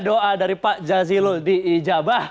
doa dari pak jazilul di ijabah